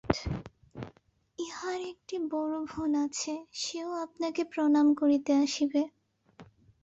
ইঁহার একটি বড়ো বোন আছে, সেও আপনাকে প্রণাম করিতে আসিবে।